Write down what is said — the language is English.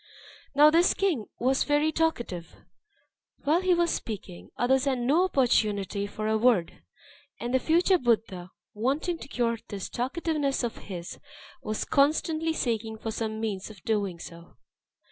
Now this king was very talkative; while he was speaking, others had no opportunity for a word. And the future Buddha, wanting to cure this talkativeness of his, was constantly seeking for some means of doing so.